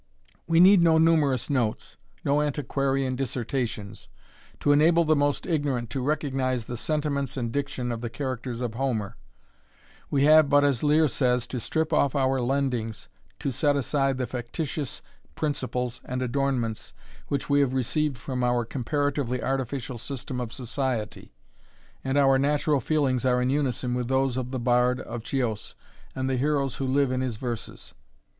We need no numerous notes, no antiquarian dissertations, to enable the most ignorant to recognize the sentiments and diction of the characters of Homer; we have but, as Lear says, to strip off our lendings to set aside the factitious principles and adornments which we have received from our comparatively artificial system of society, and our natural feelings are in unison with those of the bard of Chios and the heroes who live in his verses.